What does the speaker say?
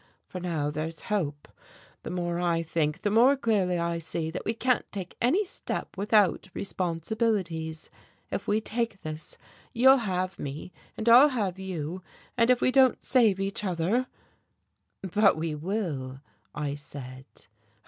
For now there's hope. The more I think, the more clearly I see that we can't take any step without responsibilities. If we take this, you'll have me, and I'll have you. And if we don't save each other " "But we will," I said.